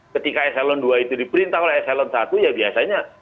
ketika eselon dua itu diperintah oleh eselon i ya biasanya